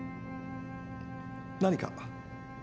何か？